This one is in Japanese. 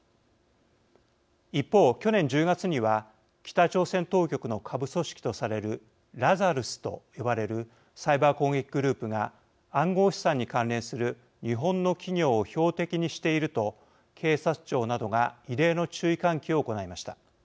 一方、去年１０月には北朝鮮当局の下部組織とされるラザルスと呼ばれるサイバー攻撃グループが暗号資産に関連する日本の企業を標的にしていると警察庁などが異例の注意喚起を行いました。